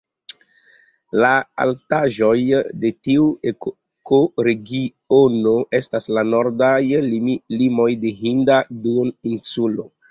La altaĵoj de tiu ekoregiono estas la nordaj limoj de Hinda duoninsulo.